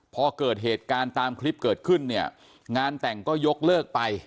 พอเกิดเหตุการณ์ตามคลิปเกิดขึ้นเนี่ยงานแต่งก็ยกเลิกไป